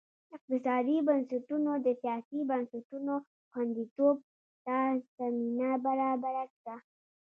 اقتصادي بنسټونو د سیاسي بنسټونو خوندیتوب ته زمینه برابره کړه.